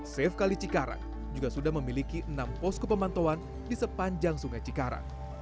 safe kali cikarang juga sudah memiliki enam posko pemantauan di sepanjang sungai cikarang